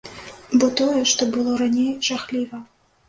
Бо тое, што было раней, жахліва.